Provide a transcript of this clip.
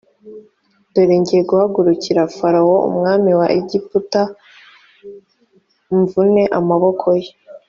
dore ngiye guhagurukira farawo umwami wa egiputa mvune amaboko ye